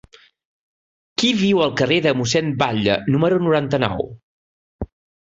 Qui viu al carrer de Mossèn Batlle número noranta-nou?